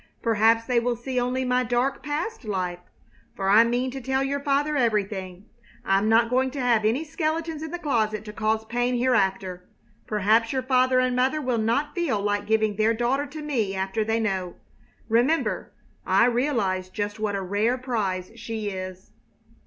"Perhaps they will see only my dark, past life for I mean to tell your father everything. I'm not going to have any skeletons in the closet to cause pain hereafter. Perhaps your father and mother will not feel like giving their daughter to me after they know. Remember, I realize just what a rare prize she is."